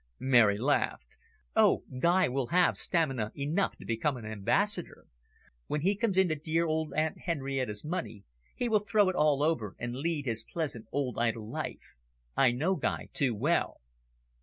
Mary laughed. "Oh, Guy will never have stamina enough to become an Ambassador. When he comes into dear old Aunt Henrietta's money, he will throw it all over, and lead his pleasant old idle life. I know Guy too well."